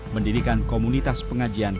mendidikan komunitas pengajian